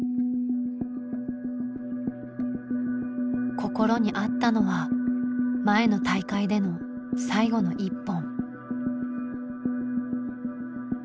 心にあったのは前の大会での最後の１本。